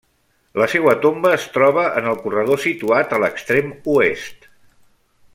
La seua tomba es troba en el corredor situat a l'extrem oest.